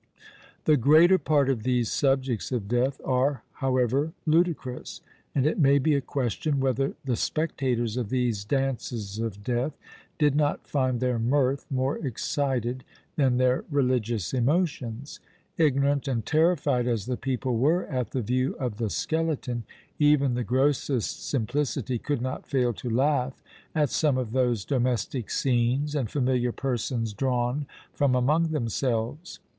The greater part of these subjects of death are, however, ludicrous; and it may be a question, whether the spectators of these Dances of Death did not find their mirth more excited than their religious emotions. Ignorant and terrified as the people were at the view of the skeleton, even the grossest simplicity could not fail to laugh at some of those domestic scenes and familiar persons drawn from among themselves.